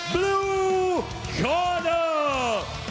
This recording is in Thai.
บลูกอร์เดอร์